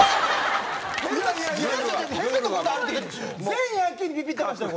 全ヤンキービビってましたよ